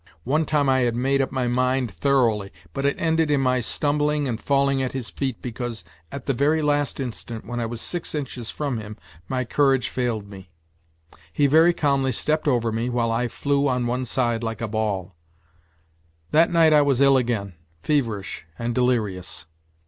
One time I had made up my mind thoroughly, but it ended in my stumbling and falling at his feet because at the very last instant when I was six inches from him my courage failed me. He very calmly stepped over me, while I flew on one side like a ball. That night I was ill again, feverish and delirious.